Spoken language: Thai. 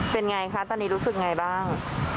เป็นไงคะตอนนี้รู้สึกยังไงบ้าง